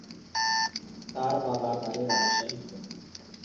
তার বাবার বাড়ি রাজশাহীতে।